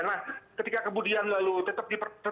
nah ketika kemudian lalu tetap diper